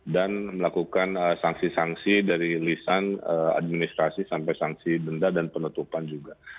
melakukan sanksi sanksi dari lisan administrasi sampai sanksi denda dan penutupan juga